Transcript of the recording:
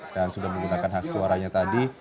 dan sudah menggunakan hak suaranya tadi